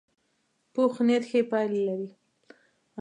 پوخ نیت ښې پایلې لري